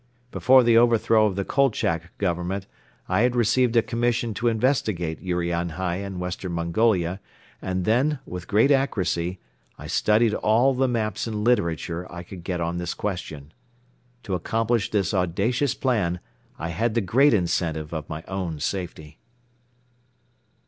Before the overthrow of the Kolchak Government I had received a commission to investigate Urianhai and Western Mongolia and then, with great accuracy, I studied all the maps and literature I could get on this question. To accomplish this audacious plan I had the great incentive of my own safety.